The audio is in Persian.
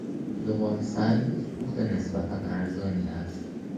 زغالسنگ سوخت نسبتا ارزانی است.